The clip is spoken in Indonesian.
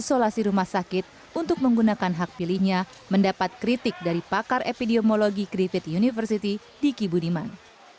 isolasi rumah sakit untuk menggunakan hak pilihnya mendapat kritik dari pakar epidemiologi griffith university diki budiman